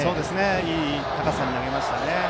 いい高さに投げましたね。